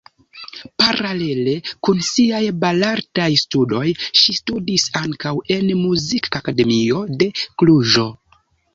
Paralele kun siaj belartaj studoj ŝi studis ankaŭ en muzikakademio de Kluĵo.